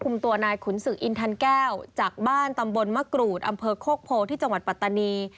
ตัวนายขุนศึกอินทันแก้วจากบ้านตำบลมะกรูดอำเภอโคกโพที่จังหวัดปัตตานี